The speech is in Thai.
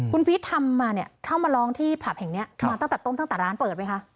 คุณพีชทำมาเนี่ยเข้ามาร้องที่ผับแห่งนี้มาตั้งแต่ต้นตั้งแต่ร้านเปิดไหมคะ